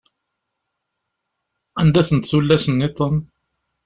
Anda-tent tullas-nniḍen?